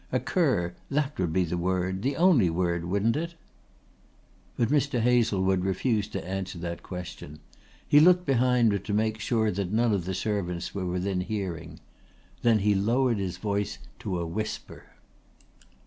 A cur that would be the word, the only word, wouldn't it?" But Mr. Hazlewood refused to answer that question. He looked behind him to make sure that none of the servants were within hearing. Then he lowered his voice to a whisper.